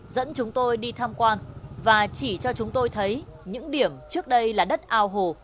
dẫn chúng tôi đi tham quan và chỉ cho chúng tôi thấy những điểm trước đây là đất ao hồ